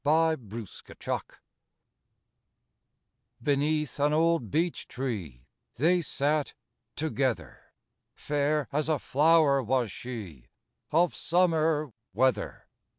A FOREST IDYLL I Beneath an old beech tree They sat together, Fair as a flower was she Of summer weather.